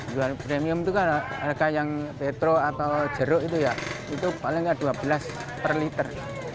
jual premium itu kan harga yang petro atau jeruk itu ya itu paling nggak dua belas per liter